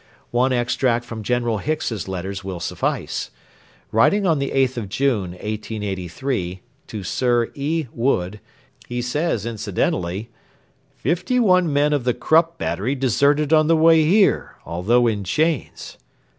One extract from General Hicks's letters will suffice. Writing on the 8th of June, 1883, to Sir E. Wood, he says incidentally: 'Fifty one men of the Krupp battery deserted on the way here, although in chains.'